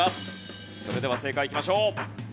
それでは正解いきましょう。